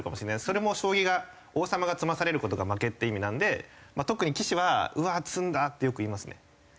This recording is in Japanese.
それも将棋が王様が詰まされる事が負けって意味なんで特に棋士は「うわっ詰んだ」ってよく言いますね。